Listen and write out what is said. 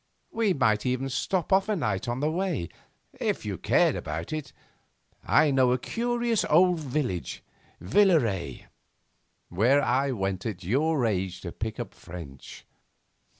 We might even stop off a night on the way if you cared about it. I know a curious old village Villaret where I went at your age to pick up French.